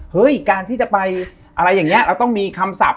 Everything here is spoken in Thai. การที่จะไปอะไรอย่างนี้เราต้องมีคำศัพท